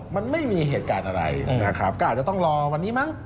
มันไม่มีเหตุการณ์อะไรนะครับก็อาจจะต้องรอวันนี้มั้ง